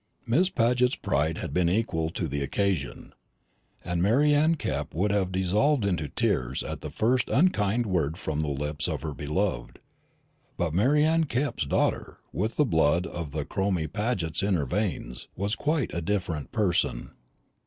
Miss Paget's pride had been equal to the occasion. Mary Anne Kepp would have dissolved into tears at the first unkind word from the lips of her beloved; but Mary Anne Kepp's daughter, with the blood of the Cromie Pagets in her veins, was quite a different person.